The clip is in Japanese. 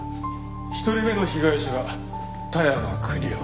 １人目の被害者が田山邦夫。